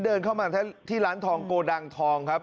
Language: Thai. เดินเข้ามาที่ร้านทองโกดังทองครับ